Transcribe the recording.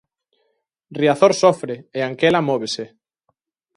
Riazor sofre e Anquela móvese.